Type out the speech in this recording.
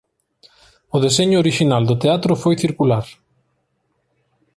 O deseño orixinal do teatro foi circular.